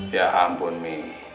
ya ampun mi